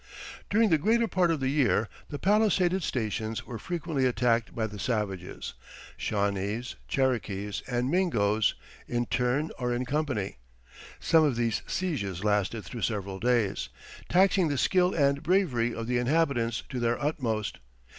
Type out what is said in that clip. During the greater part of the year the palisaded stations were frequently attacked by the savages Shawnese, Cherokees, and Mingos, in turn or in company. Some of these sieges lasted through several days, taxing the skill and bravery of the inhabitants to their utmost.